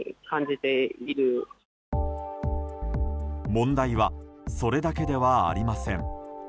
問題はそれだけではありません。